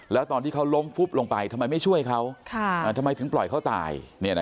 แล้วตอนที่เขาล้มฟุบลงไปทำไมไม่ช่วยเขาทำไมถึงปล่อยเขาตาย